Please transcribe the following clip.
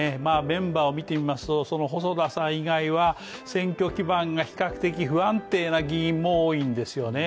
メンバーを見てみますと細田さん以外は選挙基盤が比較的不安定な議員も多いんですよね。